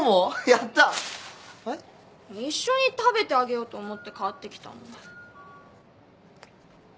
一緒に食べてあげようと思って買ってきたのに。